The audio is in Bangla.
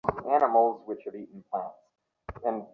ভাজক টিস্যু কখনো খাদ্য তৈরি করে না।